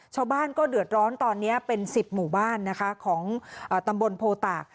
ชาวบ้านก็เดือดร้อนตอนนี้เป็น๑๐หมู่บ้านนะคะของตำบลโพตาก